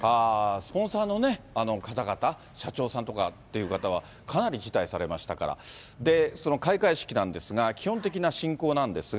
スポンサーのね、方々、社長さんとかっていう方は、かなり辞退されましたから、で、その開会式なんですが、基本的な進行なんですが。